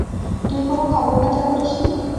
তুই কোনো খবর পাচার করিসনি?